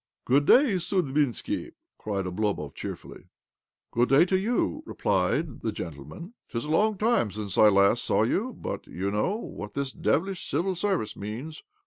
" Good day, Sudbinski 1 " cried Oblomov cheerfully ." Good day to you," replied the gentle Зо OBLOMOV man. " 'Tis a long time since I last saw you, but you know what this devilish Civil Service means.